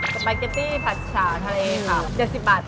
สปาเกตตี้ผัดฉาทะเลค่ะ๗๐บาท